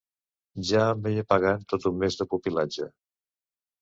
Ja em veia pagant tot un mes de pupil·latge!